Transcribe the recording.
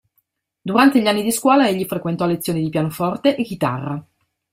Durante gli anni di scuola egli frequentò lezioni di pianoforte e chitarra.